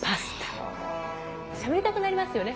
しゃべりたくなりますよね